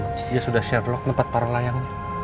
dia sudah share vlog tempat para layang